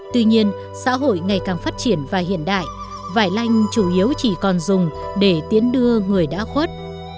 tuy nhiên xã hội ngày càng phát triển và hiện đại vải lanh chủ yếu chỉ còn dùng để tiễn đưa người đã khuất